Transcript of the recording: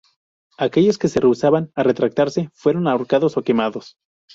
Aquellos que se rehusaban a retractarse fueron ahorcados o quemados.